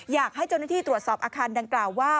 อยากให้เจ้าหน้าที่ตรวจสอบอาคารดังกล่าวว่า